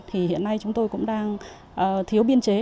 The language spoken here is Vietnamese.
hiện nay chúng tôi cũng đang thiếu biên chế